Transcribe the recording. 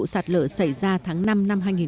sạt lở xảy ra tháng năm năm hai nghìn một mươi chín